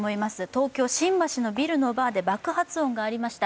東京・新橋のビルのバーで爆発音がありました。